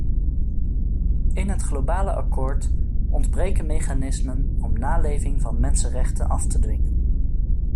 In het globale akkoord ontbreken mechanismen om naleving van mensenrechten af te dwingen.